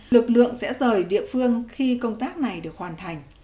lực lượng sẽ rời địa phương khi công tác này được hoàn thành